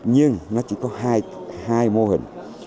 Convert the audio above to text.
nhưng nó chỉ có hai mô hình